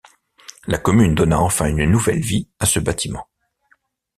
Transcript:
La commune donna enfin une nouvelle vie à ce bâtiment.